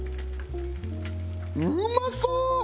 うまそう！